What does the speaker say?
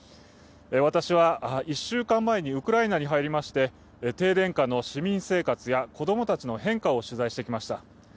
私は１週間前にウクライナに入りまして停電下の市民生活や子供たちの変化を取材してきました。